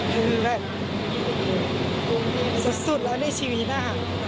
คือแบบสุดแล้วในชีวิต